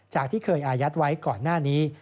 ที่เคยอายัดไว้ก่อนหน้านี้